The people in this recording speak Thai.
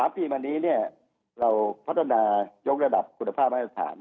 ๓ปีอย่างกว่านี้เราพัฒนายกระดับคุณภาพพนี้